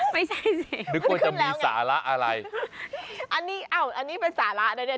ไม่ใช่สินึกว่าจะมีสาระอะไรอันนี้อ้าวอันนี้เป็นสาระนะเนี่ย